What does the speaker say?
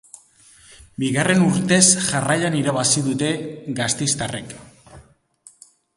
Bigarren urtez jarraian irabazi dute gasteiztarrek.